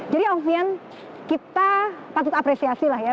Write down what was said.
jadi ovian kita patut apresiasi lah ya